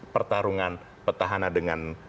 pertarungan petahana dengan